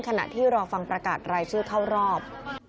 ขณะที่รอฟังประกาศรายชื่อเข้ารอบ